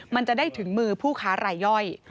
มันจะได้ถึงมือผู้ค้ารายย่อย